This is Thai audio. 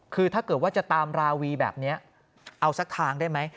คือถ้าเกิดว่าจะตามราวีแบบนี้เอาสักทางได้ไหม